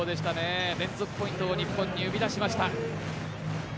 連続ポイントを日本に生み出しました。